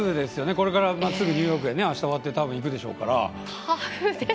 これからニューヨークにあした終わって行くでしょうから。